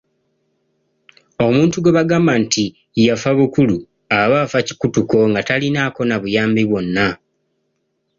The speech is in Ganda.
Omuntu gwe bagamba nti yafabukulu aba afa kikutuko nga talinaako na buyambi bwonna.